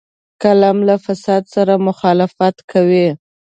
قلم له فساد سره مخالفت کوي